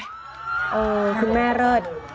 เออคือแม่เลิศ